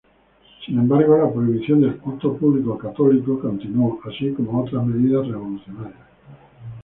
Sin embargo, la prohibición del culto público católico continuó, así como otras medidas revolucionarias.